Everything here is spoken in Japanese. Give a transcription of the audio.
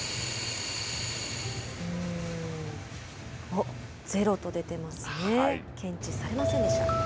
あっ、ゼロと出てますね。